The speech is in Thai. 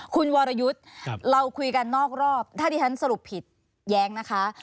คุณวรยุทธ์เราคุยกันนอกรอบถ้าที่ฉันสรุปผิดแย้งนะคะ